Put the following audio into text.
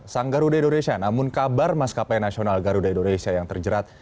sang garuda indonesia namun kabar maskapai nasional garuda indonesia yang terjerat